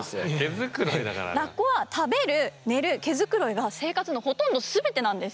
ラッコは食べる・寝る・毛繕いが生活のほとんど全てなんです。